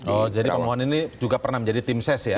oh jadi pemohon ini juga pernah menjadi tim ses ya